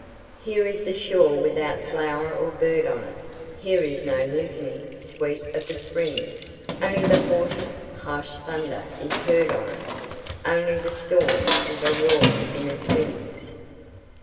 Here is the shore without flower or bird on it; Here is no litany sweet of the springs Only the haughty, harsh thunder is heard on it, Only the storm, with a roar in its wings!